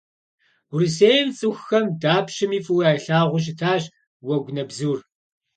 Урысейм цӏыхухэм дапщэми фӏыуэ ялъагъуу щытащ уэгунэбзур.